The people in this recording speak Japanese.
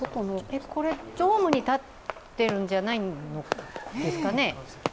これ、ドームに立ってるんじゃないんですかね？